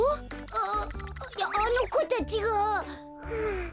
あいやあのこたちが。